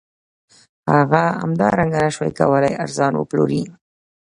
هغه همدارنګه نشوای کولی ارزان وپلوري